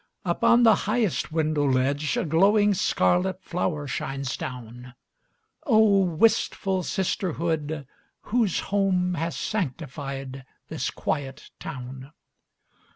Upon the highest window ledge A glowing scarlet flower shines down. Oh, wistful sisterhood, whose home Has sanctified this quiet town!